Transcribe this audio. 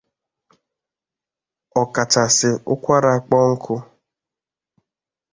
ọkachasị ụkwara kpọnkụ.